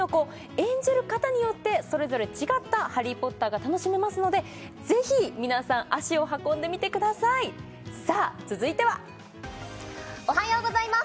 演じる方によってそれぞれ違った「ハリー・ポッター」が楽しめますのでぜひ皆さん足を運んでみてくださいさあ続いてはおはようございます！